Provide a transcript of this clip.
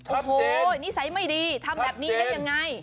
โอ้โหนิสัยไม่ดีทำแบบนี้ได้ยังไง